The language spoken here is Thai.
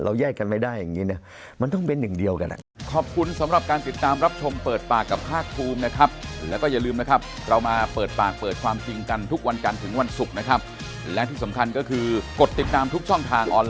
เราแย่กันไม่ได้อย่างเงี้ยมันต้องเป็นหนึ่งเดียวกัน